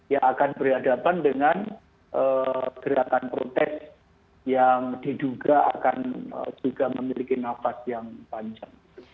yang akan berhadapan dengan gerakan protes yang diduga akan juga memiliki nafas yang panjang